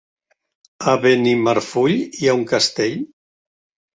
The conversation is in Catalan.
A Benimarfull hi ha un castell?